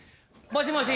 もしもし！